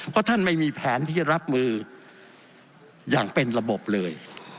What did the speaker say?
เพราะท่านไม่มีแผนที่จะรับมืออย่างเป็นระบบเลย